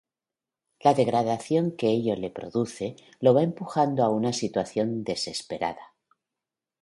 La degradación que ello le produce lo va empujando a una situación desesperada.